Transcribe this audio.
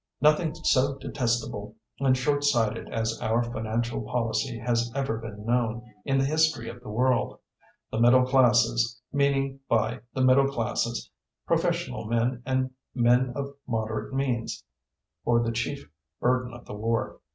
Nothing so detestable and short sighted as our financial policy has ever been known in the history of the world. The middle classes, meaning by the middle classes professional men and men of moderate means, bore the chief burden of the war.